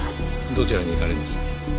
どちらに行かれました？